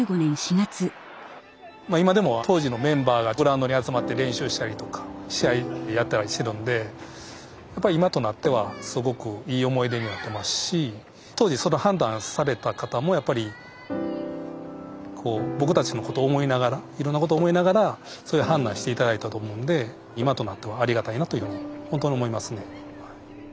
今でも当時のメンバーがグラウンドに集まって練習したりとか試合やったりしてるんでやっぱり今となってはすごくいい思い出になってますし当時その判断された方もやっぱり僕たちのことを思いながらいろんなことを思いながらそういう判断して頂いたと思うんで今となってはありがたいなというふうにほんとに思いますね。